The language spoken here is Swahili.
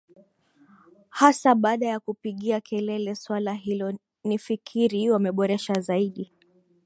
hasa baada ya kupigia kelele swala hilo nifikiri wameboresha zaidi